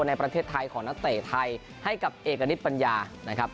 ในประเทศไทยของนักเตะไทยให้กับเอกณิตปัญญานะครับ